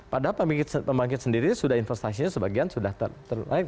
padahal pembangkit sendiri sudah investasinya sebagian sudah terlalu naik